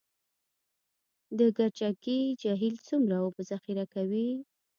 د کجکي جهیل څومره اوبه ذخیره کوي؟